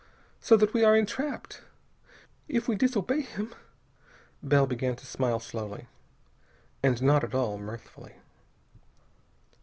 So that we are entrapped. If we disobey him...." Bell began to smile slowly, and not at all mirthfully.